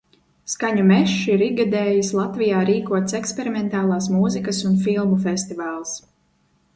Skaņu mežs ir ikgadējis Latvijā rīkots eksperimentālās mūzikas un filmu festivāls.